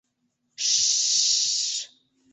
Ш-ш-ш-ш!